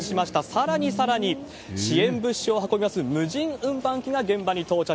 さらにさらに、支援物資を運びます無人運搬機が現場に到着。